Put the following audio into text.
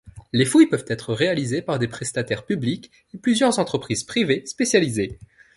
Les fouilles peuvent être réalisées par des prestataires publics et plusieurs entreprises privées spécialisées.